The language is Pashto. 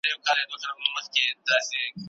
هم له څراغه سره مینه لري